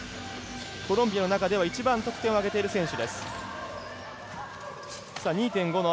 コロンビアの中では一番、得点を挙げている選手。